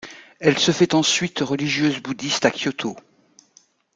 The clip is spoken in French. Elle se fait ensuite religieuse bouddhiste à Kyoto.